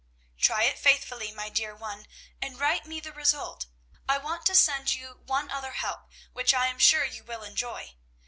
"Try it faithfully, my dear one, and write me the result. I want to send you one other help, which I am sure you will enjoy.